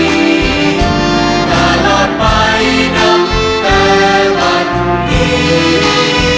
และรอดไปดำแม่วันนี้